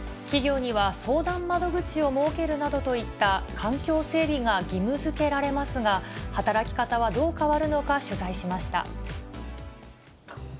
企業には相談窓口を設けるなどといった環境整備が義務づけられますが、働き方はどう変わるのか、取材しました。